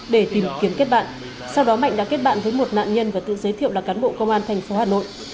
để tìm kiếm kết bạn sau đó mạnh đã kết bạn với một nạn nhân và tự giới thiệu là cán bộ công an thành phố hà nội